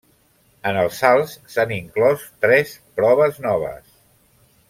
En els salts s'han inclòs tres proves noves.